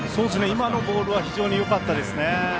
今のボールは非常によかったですね。